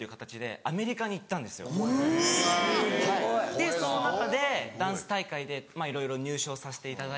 でその中でダンス大会でいろいろ入賞させていただいたり。